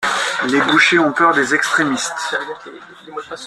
Les bouchers ont peur des extremistes.